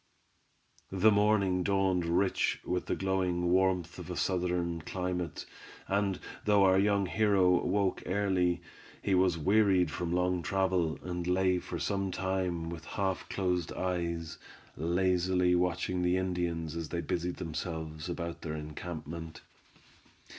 The morning dawned rich with the glowing warmth of a Southern climate, and though our young hero woke early, he was wearied from long travel, and lay for some time with half closed eyes, lazily watching the Indians as they busied themselves about the encampment.